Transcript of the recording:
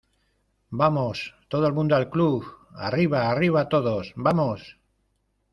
¡ vamos! ¡ todo el mundo al club !¡ arriba, arriba todos , vamos !